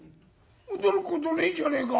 驚くことねえじゃねえか」。